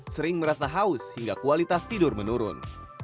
sering merasa haus hingga kualitas tidur menurun